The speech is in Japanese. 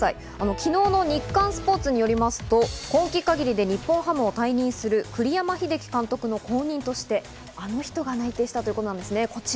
昨日の日刊スポーツによりますと、今季限りで日本ハムを退任する栗山英樹監督の後任として、あの人が内定したということなんですね。